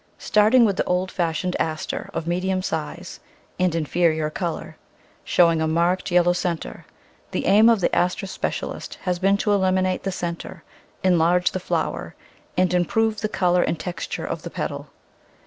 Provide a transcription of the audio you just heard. Starting with the old fashioned Aster of medium size and in ferior colour, showing a marked yellow cfcntre, the aim of the Aster specialist has been to eliminate the centre, enlarge the flower, and improve the colour and texture of the petal.